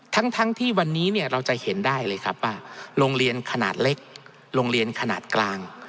ทั้งที่วันนี้เนี่ยเราจะเห็นได้เลยครับว่าโรงเรียนขนาดเล็กโรงเรียนขนาดกลาง